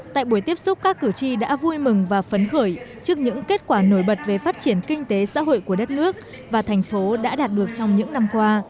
tại buổi tiếp xúc các cử tri đã vui mừng và phấn khởi trước những kết quả nổi bật về phát triển kinh tế xã hội của đất nước và thành phố đã đạt được trong những năm qua